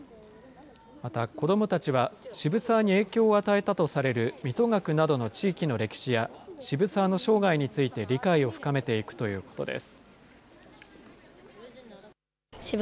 また子どもたちは、渋沢に影響を与えたとされる水戸学などの地域の歴史や渋沢の生涯について理解を深めていくということです。